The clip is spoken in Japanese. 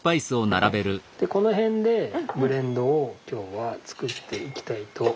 この辺でブレンドを今日は作っていきたいと。